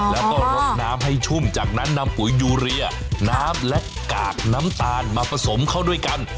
แล้วก็รดน้ำให้ชุ่มจากนั้นนำปุ๋ยยูเรียน้ำและกากน้ำตาลมาผสมเข้าด้วยกัน